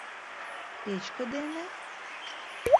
Печке дене?